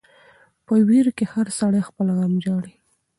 په ویر کی هر سړی خپل غم ژاړي .